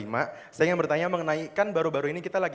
saya ingin bertanya mengenai kan baru baru ini kita lagi